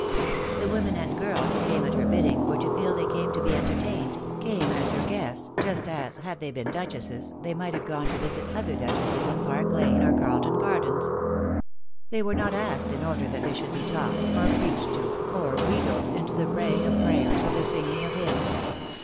The women and girls who came at her bidding were to feel they came to be entertained, came as her guests, just as, had they been duchesses, they might have gone to visit other duchesses in Park Lane or Carlton Gardens* They were not asked in order that they should be taught, or preached to, or wheedled into the praying of prayers or the singing of hymns.